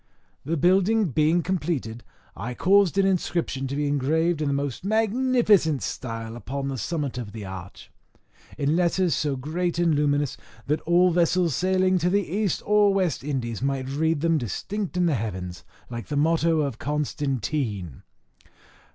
The building being completed, I caused an inscription to be engraved in the most magnificent style upon the summit of the arch, in letters so great and luminous, that all vessels sailing to the East or West Indies might read them distinct in the heavens, like the motto of Constantine.